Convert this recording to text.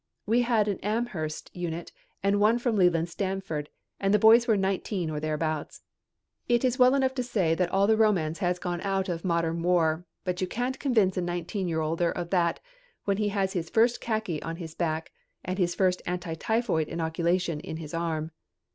We had an Amherst unit and one from Leland Stanford and the boys were nineteen or thereabouts. It is well enough to say that all the romance has gone out of modern war, but you can't convince a nineteen year older of that when he has his first khaki on his back and his first anti typhoid inoculation in his arm.